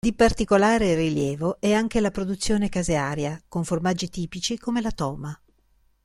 Di particolare rilievo è anche la produzione casearia, con formaggi tipici come la toma.